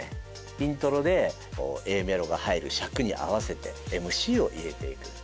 イントロでＡメロが入る尺に合わせてＭＣを入れていく。